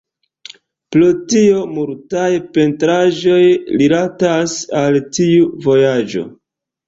Pro tio multaj pentraĵoj rilatas al tiu vojaĝo.